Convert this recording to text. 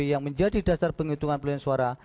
yang menjadi dasar penghitungan pilihan suara